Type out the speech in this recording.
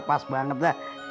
pas banget dah